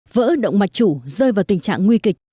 vỡ động mạch chủ rơi vào tình trạng nguy kịch